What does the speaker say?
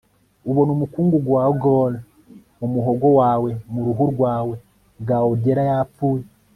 Ubona umukungugu wa gaol mu muhogo wawe mu ruhu rwawe gaolyera yapfuye